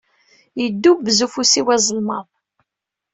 Yeddubbez ufus-iw azelmaḍ.